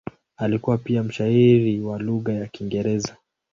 Alikuwa pia mshairi wa lugha ya Kiingereza.